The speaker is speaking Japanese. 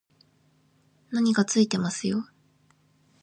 何かついてますよ